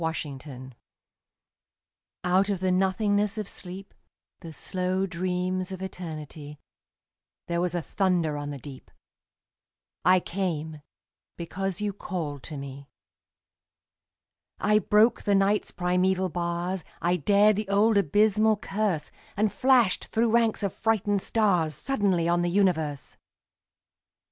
The Call Out of the nothingness of sleep, The slow dreams of Eternity, There was a thunder on the deep: I came, because you called to me. I broke the Night's primeval bars, I dared the old abysmal curse, And flashed through ranks of frightened stars Suddenly on the universe!